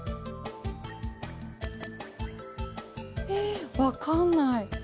え分かんない。